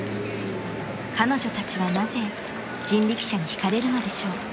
［彼女たちはなぜ人力車に引かれるのでしょう？］